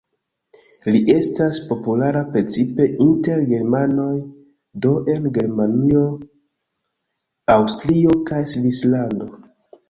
Li estas populara precipe inter germanoj, do en Germanio, Aŭstrio kaj Svislando.